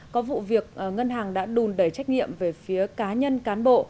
có vụ việc ngân hàng đã đùn đẩy trách nhiệm về phía cá nhân cán bộ